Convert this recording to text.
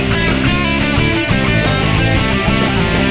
ตอนนี้ผมดูโลก๒ใบ